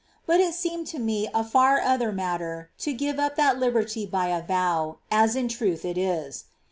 But it seemed to me a far other matter to give up that liberty by a vow, as in truth it is.